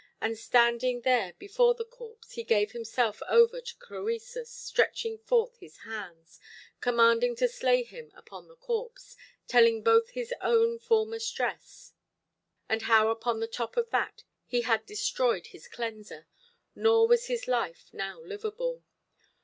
And standing there before the corpse, he gave himself over to Crœsus, stretching forth his hands, commanding to slay him upon the corpse, telling both his own former stress, and how upon the top of that he had destroyed his cleanser, nor was his life now liveable.